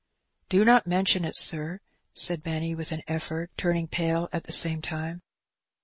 ^^ "Do not mention it, sir,^^ said Benny, with an effort;, turning pale at the same time.